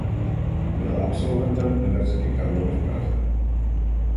Byl absolventem Univerzity Karlovy v Praze.